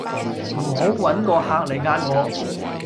唔好搵個客嚟壓我